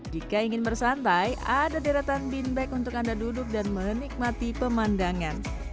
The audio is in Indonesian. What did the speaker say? jika ingin bersantai ada deretan binbag untuk anda duduk dan menikmati pemandangan